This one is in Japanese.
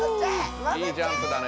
いいジャンプだね。